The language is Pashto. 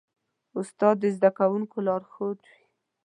استاد د زدهکوونکو لارښود وي.